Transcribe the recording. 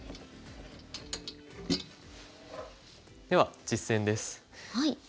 では実戦です。